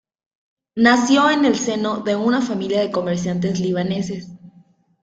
Nació en el seno de una familia de comerciantes libaneses.